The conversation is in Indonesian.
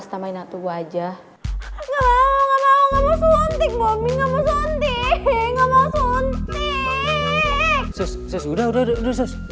sus sus udah udah sus